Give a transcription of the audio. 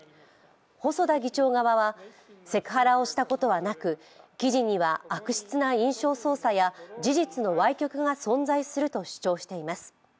細田議長側はセクハラをしたことはなく記事には悪質な印象操作や事実のわい曲が存在すると主張しています。